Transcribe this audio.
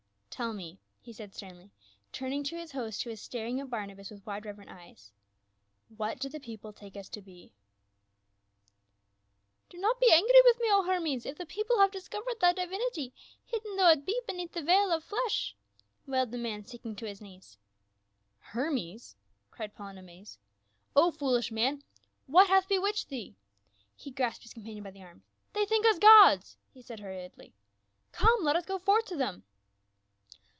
" Tell me," he said sternly, turning to his host, who was staring at Barnabas with wide reverent eyes, " what do the people take us to be ?"" Do not be angr>' with me, O Hermes, if the people have discovered thy divinity, hidden though it be be neath the veil of flesh," wailed the man sinking to his knees. " Hermes !" cried Paul in amaze. " O foolish man, what hath bewitched thee !" He grasped his com panion by the arm. "They think us gods!" he said hurriedly, " Come, let us go forth to them."